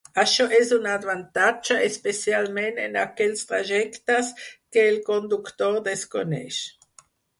Això és un avantatge especialment en aquells trajectes que el conductor desconeix.